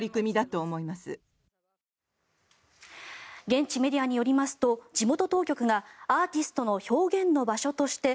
現地メディアによりますと地元当局がアーティストの表現の場所として